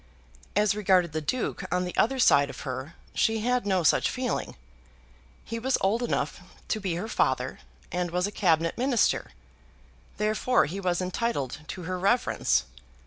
As regarded the Duke on the other side of her, she had no such feeling. He was old enough to be her father, and was a Cabinet Minister; therefore he was entitled to her reverence.